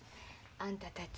あんたたち